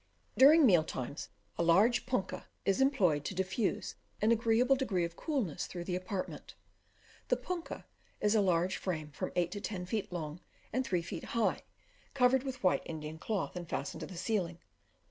During meal times, a large punkah is employed to diffuse an agreeable degree of coolness through the apartment. The punkah is a large frame, from eight to ten feet long, and three feet high, covered with white Indian cloth, and fastened to the ceiling.